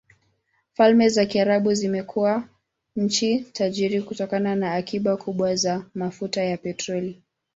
Falme za Kiarabu zimekuwa nchi tajiri kutokana na akiba kubwa za mafuta ya petroli.